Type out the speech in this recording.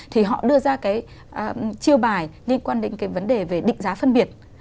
thì họ đưa ra cái chiêu bài liên quan đến cái vấn đề về định giá phân biệt